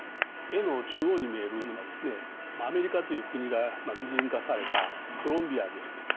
絵の中央に見えるのがですねアメリカという国が擬人化されたコロンビアです。